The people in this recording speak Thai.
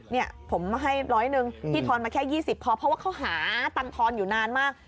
เนี่ยผมให้ร้อยหนึ่งพี่ทอนมาแค่๒๐พอเพราะว่าเขาหาตังทอนอยู่นานมาก